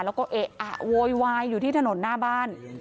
เยะอะโยยวายอยู่ที่ถนนหน้าบ้าน